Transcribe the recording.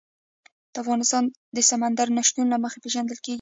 افغانستان د سمندر نه شتون له مخې پېژندل کېږي.